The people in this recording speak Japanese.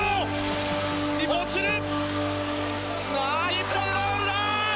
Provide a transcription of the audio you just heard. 日本ボールだ！